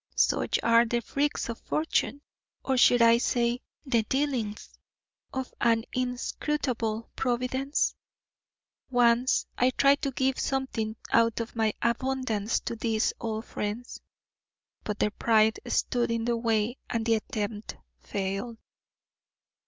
Such are the freaks of fortune; or should I say, the dealings of an inscrutable Providence? Once I tried to give something out of my abundance to these old friends, but their pride stood in the way and the attempt failed.